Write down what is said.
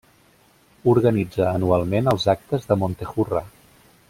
Organitza anualment els actes de Montejurra.